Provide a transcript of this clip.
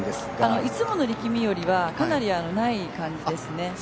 いつもの力みよりはかなりない感じですね。